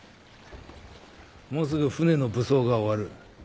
もうすぐ艦の武装が終わる。